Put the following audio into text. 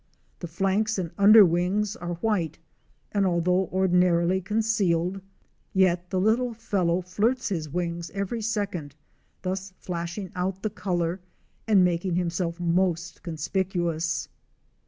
The flanks and under wings are white and although ordinarily concealed, yet«the little fellow flirts his wings every second, thus flashing out the color, and making himself most conspicuous.